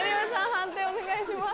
判定お願いします。